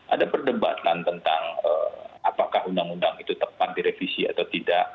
ada perdebatan tentang apakah undang undang itu tepat direvisi atau tidak